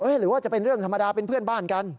หรือว่าจะเป็นเรื่องธรรมดาเป็นเพื่อนบ้านกัน